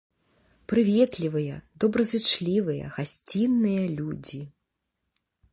Прыветлівыя, добразычлівыя, гасцінныя людзі.